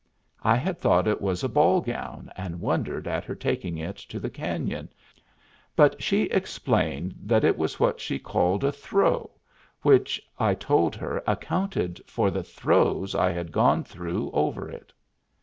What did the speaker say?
I had thought it was a ball gown, and wondered at her taking it to the Cañon; but she explained that it was what she called a "throw" which I told her accounted for the throes I had gone through over it.